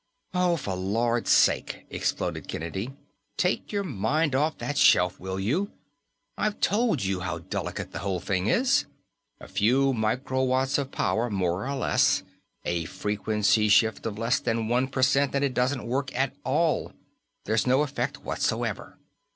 "Oh, for Lord's sake!" exploded Kennedy. "Take your mind off that shelf, will you? I've told you how delicate the whole thing is. A few microwatts of power more or less, a frequency shift of less than one percent, and it doesn't work at all. There's no effect whatsoever."